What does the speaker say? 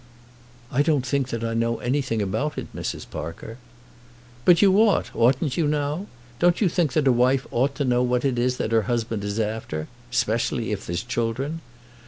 "I don't think that I know anything about it, Mrs. Parker." "But you ought; oughtn't you, now? Don't you think that a wife ought to know what it is that her husband is after; specially if there's children?